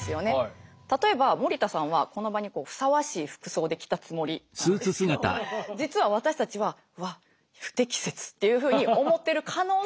例えば森田さんはこの場にふさわしい服装で来たつもりなんですけど実は私たちは「わっ不適切」っていうふうに思ってる可能性もあるということです。